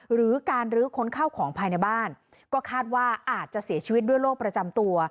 หรือการลื้อค้นเข้าของภายในบ้านก็คาดว่าอาจจะเสียชีวิตด้วยโรคประจำตัว